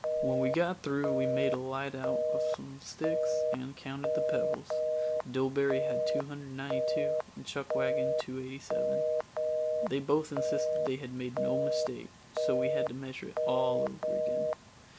When we got through we made a light out of some sticks and counted the pebbles. Dillbery had 292 and Chuckwagon 287. They both insisted they had made no mistake, so we had to measure it all over again.